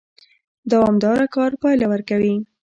دوامدار کار پایله ورکوي